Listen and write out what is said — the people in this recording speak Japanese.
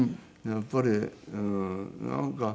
やっぱりなんか。